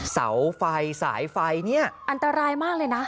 เสาไฟสายไฟเนี่ยอันตรายมากเลยนะ